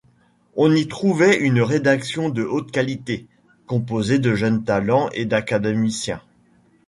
On y trouvait une rédaction de haute qualité, composée de jeunes talents et d’académiciens.